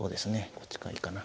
こっちがいいかな。